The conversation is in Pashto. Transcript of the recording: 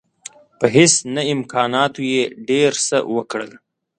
په هیڅ نه امکاناتو یې ډېر څه وکړل.